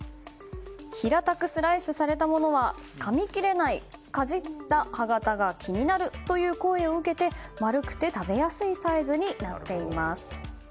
平たくスライスされたものはかみ切れないかじった歯形が気になるという声を受けて丸くて食べやすいサイズになっています。